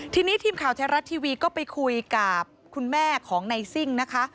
ทีนี้ทีมข่าวไทยรัฐทีวีก็ไปคุยกับคุณแม่ของในซิ่งนะคะ